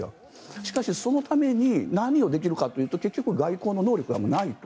しかし、そのために何をできるかというと外交の能力がないと。